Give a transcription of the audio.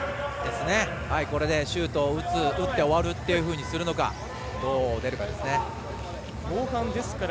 これでシュートを打って終わるっていうことにするのかどう出るかですね。